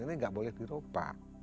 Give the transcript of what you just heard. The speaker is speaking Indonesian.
ini tidak boleh diropak